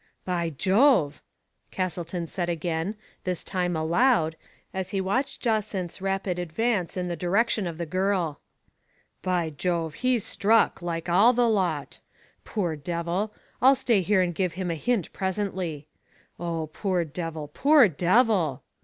" By Jove !*' Castleton said again, this time * aloud, as he watched Jacynth's rapid advance in the direction of the girl. " By Jove, he's" struck, like all the lot. Poor devil ! Til stay here and give him a hint presently. Oh, poor devil, poor devil